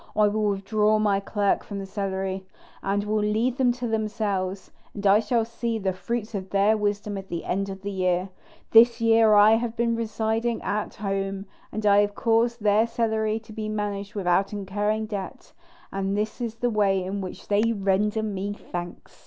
I will withdraw my clerk from the cellary, and will leave them to themselves; and I shall see the fruits of their wisdom at the end of the year. This year I have been residing at home, and I have caused their cellary to be managed without incurring debt; and this is the way in which they render me thanks."